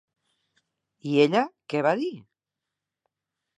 I ella què va dir?